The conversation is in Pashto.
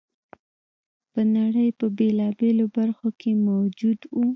په نړۍ په بېلابېلو برخو کې موجود و